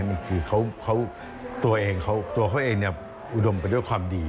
มันคือเขาตัวเองตัวเขาเองอุดมไปด้วยความดี